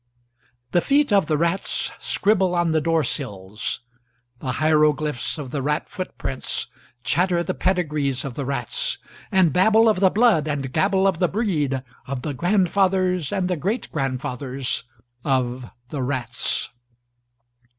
4The feet of the ratsscribble on the door sills; the hieroglyphs of the rat footprintschatter the pedigrees of the ratsand babble of the bloodand gabble of the breedof the grandfathers and the great grandfathersof the rats.